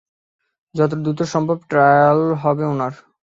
যত দ্রুত সম্ভব ট্রায়াল হবে ওনার।